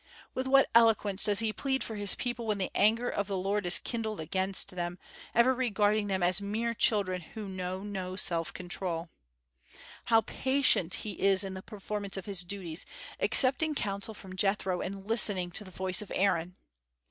With what eloquence does he plead for his people when the anger of the Lord is kindled against them, ever regarding them as mere children who know no self control! How patient he is in the performance of his duties, accepting counsel from Jethro and listening to the voice of Aaron!